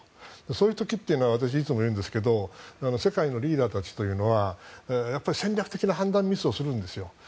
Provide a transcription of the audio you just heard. そういう時は私、いつも言うんですが世界のリーダーたちというのはやっぱり戦略的な判断ミスをするんです。